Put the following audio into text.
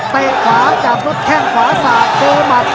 เตะขวาจับรถแค่งขวาสาดตัวหมัด